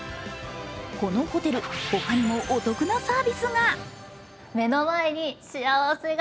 このホテル、他にもお得なサービスが。